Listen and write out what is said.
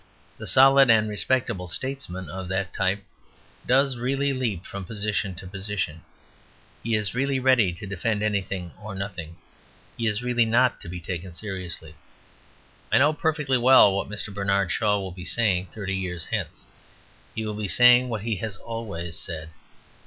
The solid and respectable statesman of that type does really leap from position to position; he is really ready to defend anything or nothing; he is really not to be taken seriously. I know perfectly well what Mr. Bernard Shaw will be saying thirty years hence; he will be saying what he has always said.